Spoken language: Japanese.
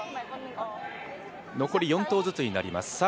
残り４投ずつになります。